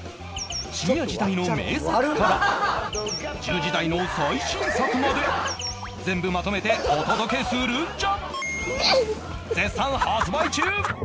深夜時代の名作から１０時台の最新作まで全部まとめてお届けするんじゃ！！